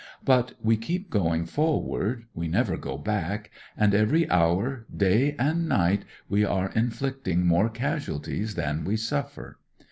But— we keep going forward, we never go back, and every hour, day and night, we are inflicting more casualties than we suffer.